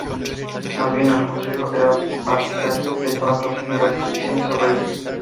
Más bien al contrario, era partidario de toda clase de restricciones sobre ellos.